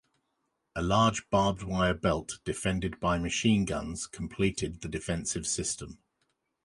A large barbed wire belt defended by machine guns completed the defensive system.